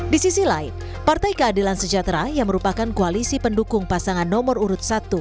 di sisi lain partai keadilan sejahtera yang merupakan koalisi pendukung pasangan nomor urut satu